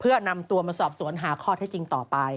เพื่อนำตัวสอบสวนหาข้อที่ที่ต่อไป